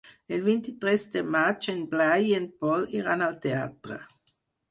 El vint-i-tres de maig en Blai i en Pol iran al teatre.